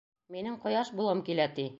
— Минең ҡояш булғым килә, ти.